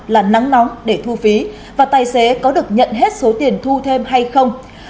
là nắng nóng để thu phí và tài xế có được nhận hết số tiền thu thêm hay không